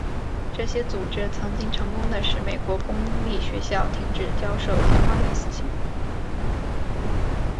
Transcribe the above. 这些组织曾经成功地使美国公立学校停止教授进化论思想。